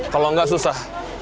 kalo enggak susah